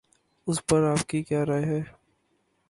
اس پر آپ کی کیا رائے ہے؟